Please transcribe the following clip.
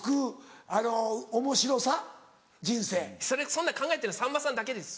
そんなん考えてるのさんまさんだけです。